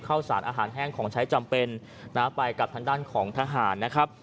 ข้าวสารอาหารแห้งของใช้จำเป็นนะไปกับทางด้านของทหารนะครับ